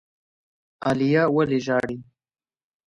عالیه ولي ژاړي؟